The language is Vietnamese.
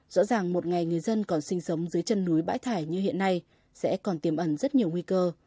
rõ ràng một ngày người dân còn sinh sống dưới chân núi bãi thải như hiện nay sẽ còn tiềm ẩn rất nhiều nguy cơ